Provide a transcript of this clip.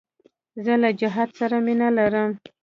زه له جهاد سره مینه لرم.